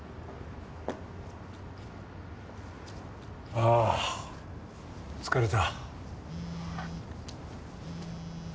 ああ疲れた。